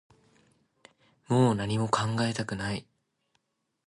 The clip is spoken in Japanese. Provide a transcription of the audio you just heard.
もう何も考えたくない